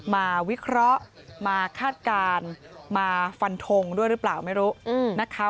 วิเคราะห์มาคาดการณ์มาฟันทงด้วยหรือเปล่าไม่รู้นะคะ